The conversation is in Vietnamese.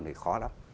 thì khó lắm